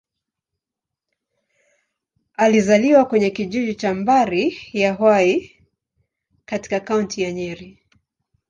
Alizaliwa kwenye kijiji cha Mbari-ya-Hwai, katika Kaunti ya Nyeri.